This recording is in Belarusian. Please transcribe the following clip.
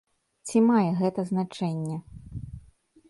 Ці мае гэта значэнне?